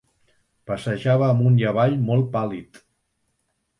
Passejava amunt i avall, molt pàl·lid.